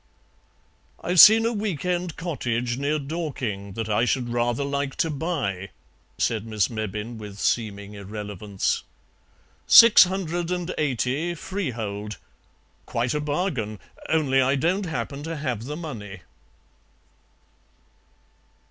"I've seen a week end cottage near Dorking that I should rather like to buy," said Miss Mebbin with seeming irrelevance. "Six hundred and eighty, freehold. Quite a bargain, only I don't happen to have the money."